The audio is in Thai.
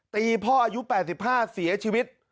ตีพ่ออายุ๘๕เสียชีวิต